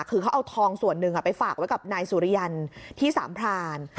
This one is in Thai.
คือเขาเอาทองส่วนหนึ่งไปฝากไว้กับนายสุริยันที่สามพราน